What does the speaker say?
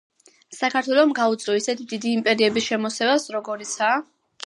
საქართველომ გაუძლო ისეთი დიდი იმპერიების შემოსევებს, როგორიცაა